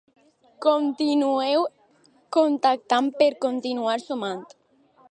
Continueu contactant per continuar sumant.